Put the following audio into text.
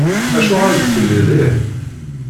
Acuɣer i d-tenniḍ ih?